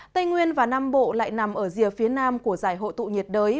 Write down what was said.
tây nguyên và nam bộ lại nằm ở rìa phía nam của giải hội tụ nhiệt đới